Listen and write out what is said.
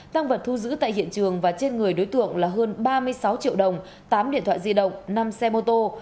tăng vật thu giữ tại hiện trường và trên người đối tượng là hơn ba mươi sáu triệu đồng tám điện thoại di động năm xe mô tô